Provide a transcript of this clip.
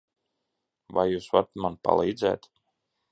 Vai jūs varat man palīdzēt?